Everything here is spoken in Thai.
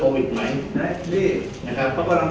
แล้วให้ประธานรับผิดชอบหนูครับ